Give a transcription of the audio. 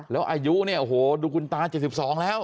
แล้วอายุเนี่ยโอ้โหดูคุณตา๗๒แล้ว